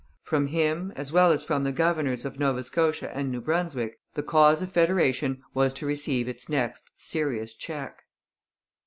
From him, as well as from the governors of Nova Scotia and New Brunswick, the cause of federation was to receive its next serious check.